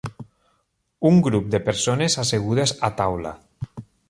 Un grup de persones assegudes a taula.